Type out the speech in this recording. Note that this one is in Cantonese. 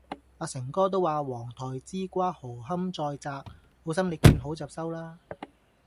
阿誠哥都話黃台之瓜何堪再摘，好心妳見好就收啦。